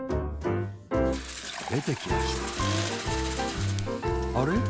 でてきましたあれっ？